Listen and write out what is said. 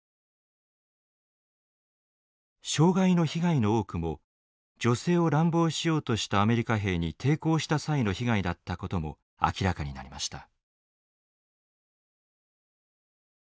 傷害の被害の多くも女性を乱暴しようとしたアメリカ兵に抵抗した際の被害だったことも明らかになりました。